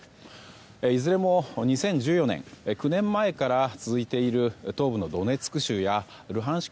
いずれも２０１４年９年前から続いている東部のドネツク州やルハンシク